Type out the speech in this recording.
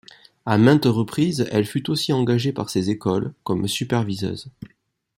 À maintes reprises, elle fut aussi engagée par ces écoles comme superviseuse.